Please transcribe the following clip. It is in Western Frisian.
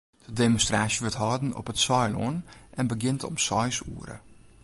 De demonstraasje wurdt hâlden op it Saailân en begjint om seis oere.